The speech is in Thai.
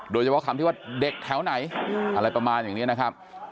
โดยเฉพาะคำที่ว่าเด็กแถวไหนอะไรประมาณอย่างนี้นะครับ